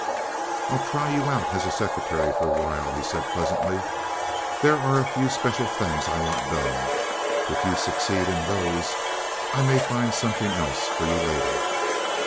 "I'll try you out as secretary for a while," he said, pleasantly. "There are a few special things I want done. If you succeed in those, I may find something else for you later."